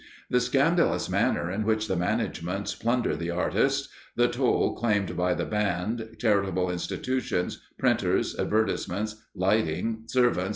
The scandalous manner in which the managements plunder the artists the toll claimed by the band, charitable institutions, printers, advertisements, lighting, servants, &c.